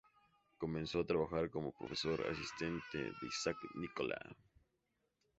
Comenzó a trabajar como profesor asistente de Isaac Nicola.